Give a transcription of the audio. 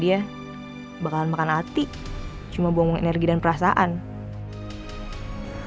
assalamualaikum warahmatullahi wabarakatuh